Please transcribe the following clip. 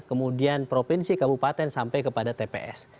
kemudian provinsi kabupaten sampai kepada tps